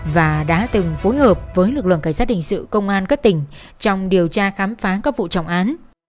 và đã từng phối hợp với lực lượng cảnh sát hình sự công an các tỉnh trong điều tra khám phá các vụ trọng án